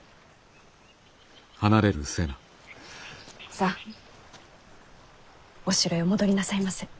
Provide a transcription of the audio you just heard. さあお城へお戻りなさいませ。